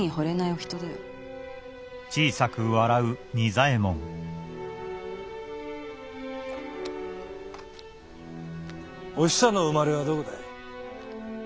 おひさの生まれはどこだい？